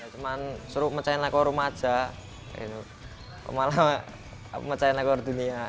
cuma suruh mecahin rekor remaja malah mecahin rekor dunia